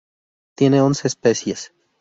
Tiene once especies.